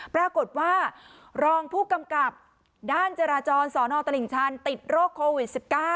ปรากฏว่ารองผู้กำกับด้านจราจรสนตลิ่งชันติดโรคโควิด๑๙